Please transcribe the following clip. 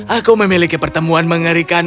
aku memiliki pertemuan mengerikan